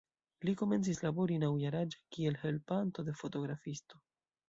Li komencis labori naŭ-jaraĝa kiel helpanto de fotografisto.